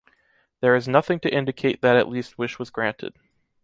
There is nothing to indicate that at least wish was granted.